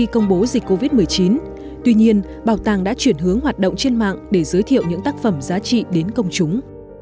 công bố dịch covid một mươi chín tuy nhiên bảo tàng đã chuyển hướng hoạt động trên mạng để giới thiệu những tác phẩm giá trị đến công chúng